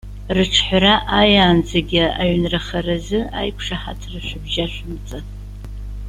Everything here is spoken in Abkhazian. Рыҿҳәара ааиаанӡагьы аҩынрахаразы аиқәшаҳаҭра шәыбжьашәымҵан.